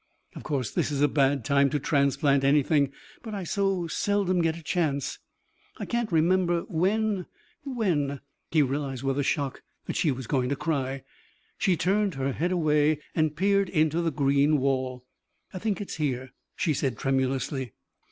Of course, this is a bad time to transplant anything but I so seldom get a chance. I can't remember when when " He realized with a shock that she was going to cry. She turned her head away and peered into the green wall. "I think it's here," she said tremulously.